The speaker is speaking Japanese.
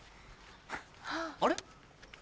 あれ？